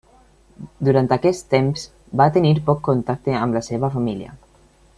Durant aquest temps, va tenir poc contacte amb la seva família.